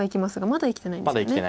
まだ生きてないです。